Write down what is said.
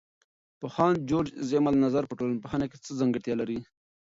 د پوهاند جورج زیمل نظر په ټولنپوهنه کې څه ځانګړتیا لري؟